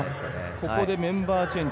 ここでメンバーチェンジ。